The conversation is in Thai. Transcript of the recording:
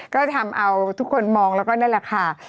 ก็ทำเอาทุกคนมองแล้วก็นั่นแหละค่ะ